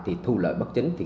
thì thu lợi bất chính